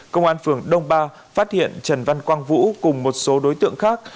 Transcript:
công an phường đông ba phát hiện trần văn quang vũ cùng một số đối tượng khác